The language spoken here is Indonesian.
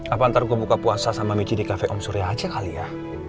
apa ntar gue buka puasa sama michi di cafe om surya aja kali ya